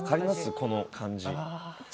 この感じ。